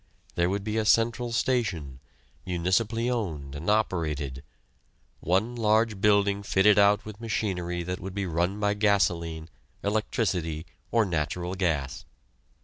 There would be a central station, municipally owned and operated, one large building fitted out with machinery that would be run by gasoline, electricity, or natural gas.